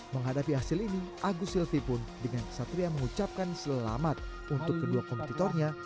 menghadapi hasil ini agus silvi pun dengan kesatria mengucapkan selamat untuk kedua kompetitornya